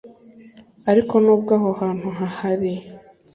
Ariko nubwo aho hantu hahari